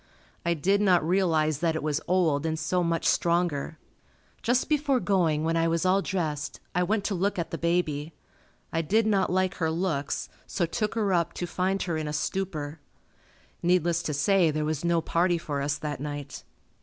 I did not realize that it was old and so much stronger. Just before going, when I was all dressed, I went to look at the baby. I did not like her looks, so took her up to find her in a stupor. Needless to say there was no party for us that night.